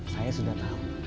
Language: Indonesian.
saya sudah tahu